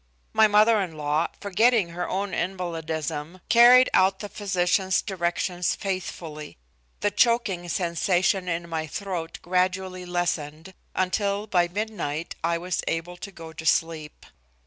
My mother in law, forgetting her own invalidism, carried out the physician's directions faithfully. The choking sensation in my throat gradually lessened, until by midnight I was able to go to sleep.